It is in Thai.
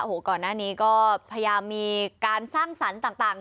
โอ้โหก่อนหน้านี้ก็พยายามมีการสร้างสรรค์ต่าง